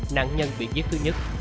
nạn nhân bị giết thứ nhất